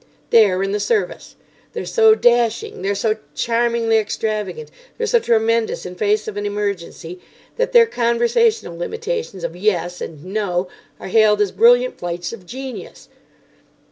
They're in the Service; they're so dashing; they're so charmingly extravagant; they're so tremendous in face of an emergency that their conversational limitations of "Yes" and "No" are hailed as brilliant flights of genius.